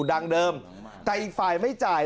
อาทิตย์๒๕อาทิตย์